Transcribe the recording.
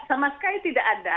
sama sekali tidak ada